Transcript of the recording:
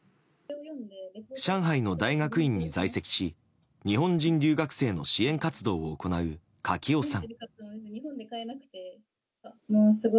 上海の大学院に在籍し日本人留学生の支援活動も行う垣尾さん。